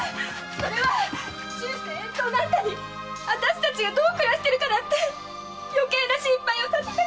それは終生遠島のあんたに私たちがどう暮らしてるかなんて余計な心配をかけたくないから！